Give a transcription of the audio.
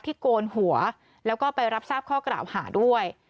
โกนหัวแล้วก็ไปรับทราบข้อกล่าวหาด้วย